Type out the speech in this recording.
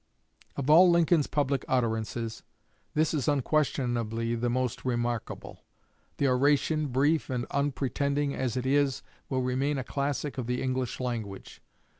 Of all Lincoln's public utterances, this is unquestionably the most remarkable. The oration, brief and unpretending as it is, will remain a classic of the English language.